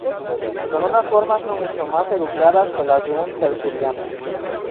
con unas formas no mucho más educadas que las de un tertuliano